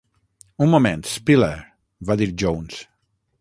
"Un moment, Spiller," va dir Jones.